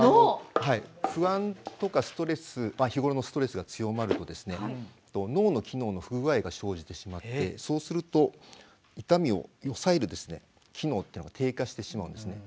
不安とか日ごろのストレスが強まると脳の機能に不具合が生じてしまってそうすると痛みを抑える機能が低下してしまうんですね。